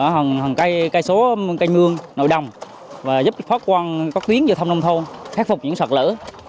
hành cây số canh mương nội đồng và giúp phát quan có tuyến vào thăm nông thôn khép phục những sợt lỡ